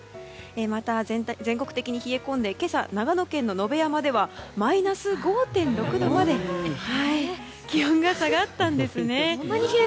また、全国的に冷え込んで今朝、長野県の野辺山ではマイナス５．６度まで気温が下がったんです。